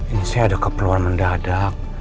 ini saya ada keperluan mendadak